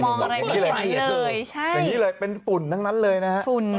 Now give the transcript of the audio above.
มองอะไรไม่เห็นเลยเป็นฝุ่นทั้งนั้นเลยนะครับ